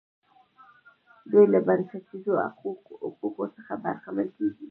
دوی له بنسټیزو حقوقو څخه برخمن کیږي.